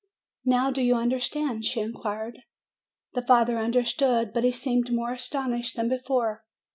"Now do you understand?" she inquired. The father understood; but he seemed more as tonished than before.